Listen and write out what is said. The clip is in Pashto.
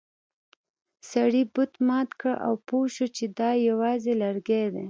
سړي بت مات کړ او پوه شو چې دا یوازې لرګی دی.